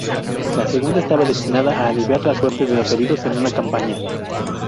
La segunda estaba destinada a aliviar la suerte de los heridos en una campaña.